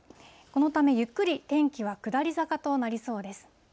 このため、ゆっくり天気は下り坂となりそうです。